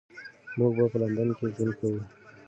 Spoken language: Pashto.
موږ به په لندن کې ژوند کوو.